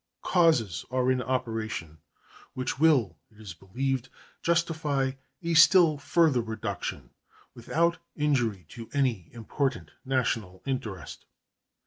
Causes are in operation which will, it is believed, justify a still further reduction without injury to any important national interest.